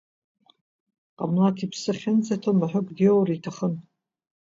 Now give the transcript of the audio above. Ҟамлаҭ иԥсы ахьынӡаҭоу маҳәык диоур иҭахын.